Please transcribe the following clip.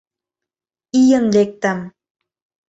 Ийын лектым.